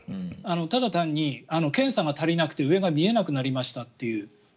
ただ単に検査が足りなくて上が見えなくなりましたという。